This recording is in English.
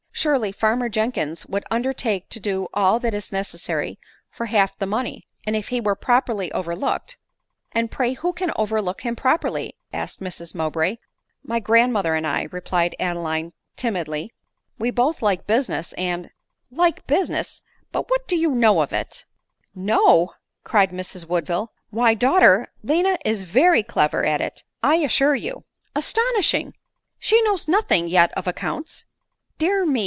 " Surely farmer Jenkins would undertake to do all that is necessary for half the money ; and, if he were properly overlooked —"" And pray who can overlook him properly ?" asked Mrs Mowbray. " My grandmother and I," replied Adeline timidly ;" we both like business, and —"" Like business !— but what do you know of it ?"" Know !" cried Mrs Woodville, " why, daughter, Lina is very clever at it, I assure you !"" Astonishing !. She knows nothing yet of accounts." " Dear me